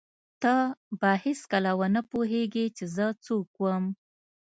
ته به هېڅکله ونه پوهېږې چې زه څوک وم.